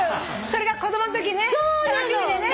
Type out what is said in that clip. それが子供んとき楽しみでね！